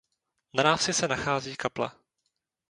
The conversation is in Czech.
Na návsi se nachází kaple.